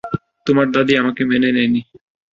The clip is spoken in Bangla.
তোমার দাদী আমাকে মেনে নেয়নি।